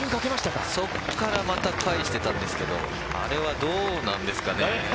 そこからまた返してたんですけど、あれはどうなんですかね？